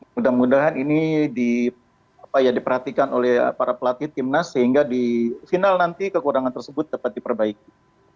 mudah mudahan ini diperhatikan oleh para pelatih timnas sehingga di final nanti kekurangan tersebut dapat diperbaiki